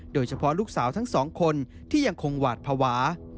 โดยเฉพาะลูกสาวทั้งสองคนที่ยังคงหวาดภาวะ